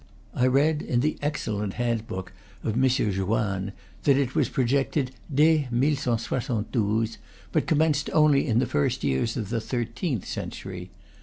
I read in the excellent hand book of M. Joanne that it was projected "des 1172," but commenced only in the first years of the thirteenth century.